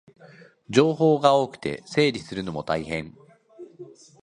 情報が多くて整理するのも大変